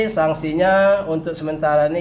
sanksinya untuk sementara ini